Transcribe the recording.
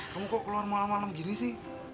kamu kok keluar malam malam gini sih